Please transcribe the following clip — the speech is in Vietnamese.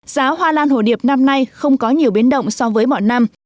giá hoa lan hồ điệp năm nay không có nhiều biến động so với mọi năm